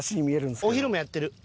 お昼もやってる。